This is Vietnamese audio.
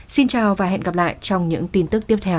xin chào và hẹn gặp lại trong những tin tức tiếp theo